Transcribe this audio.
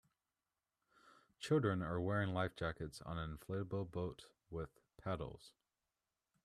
Children are wearing lifejackets on an inflatable boat with paddles.